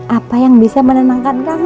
apa yang bisa menenangkan kami